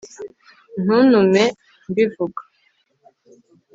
ntuntume mbivuga